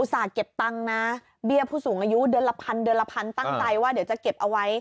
อุตส่าห์เก็บตังค์นะเบี้ยผู้สูงอายุเดือนละพันตั้งใต้ว่าเดี๋ยวจะเก็บเอาไว้